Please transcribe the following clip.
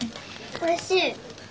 おいしい？